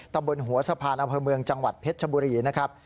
ตำบลหัวสะพานอำเภอเมืองจังหวัดเพชรชบุรีนะครับ